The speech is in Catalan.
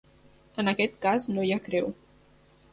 En aquest cas no hi ha creu.